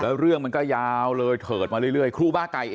แล้วเรื่องมันก็ยาวเลยเผิดมาเรื่อย